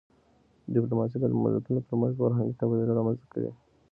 ډيپلوماسي د ملتونو ترمنځ فرهنګي تبادله رامنځته کوي.